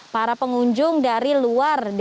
para pengunjung dari luar